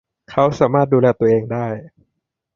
เขาสามารถดูแลตัวเองได้